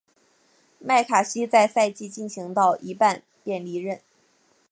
麦卡锡在赛季进行到一半便离任。